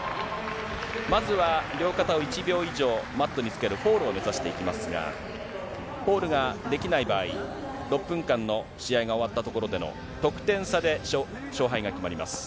まずは両肩を１秒以上マットにつけるフォールを目指していきますが、フォールができない場合、６分間の試合が終わったところでの得点差で勝敗が決まります。